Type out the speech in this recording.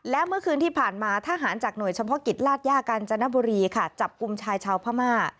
และเมื่อคืนที่ผ่านมาทหารจากหน่วยเฉพาะกิจลาดย่ากาญจนบุรีค่ะจับกลุ่มชายชาวพม่า